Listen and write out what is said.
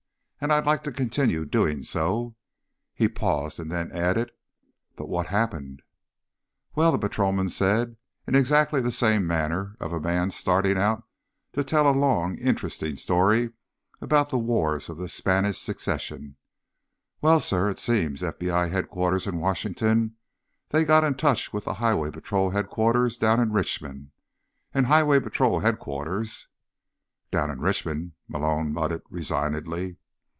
And I'd like to continue doing so." He paused and then added, "But what happened?" "Well," the patrolman said, in exactly the manner of a man starting out to tell a long, interesting story about the Wars of the Spanish Succession, "well, sir, it seems FBI Headquarters in Washington, they got in touch with the Highway Patrol Headquarters, down in Richmond, and Highway Patrol Headquarters—" "Down in Richmond," Malone muttered resignedly.